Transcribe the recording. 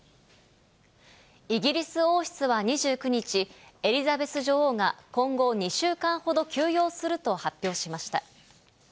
イギリス王室は２９日、エリザベス女王が、今後２週間ほど休養すると発表しました。